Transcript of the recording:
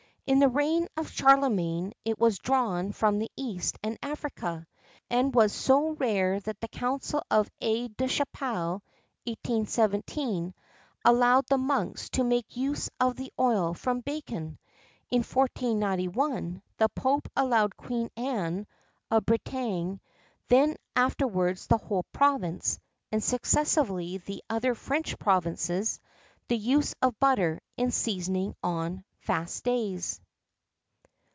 In the reign of Charlemagne it was drawn from the east and Africa, and was so rare that the Council of Aix la chapelle (817) allowed the monks to make use of the oil from bacon. In 1491 the Pope allowed Queen Anne (of Bretagne), then afterwards the whole province, and successively the other French provinces, the use of butter in seasoning on fast days.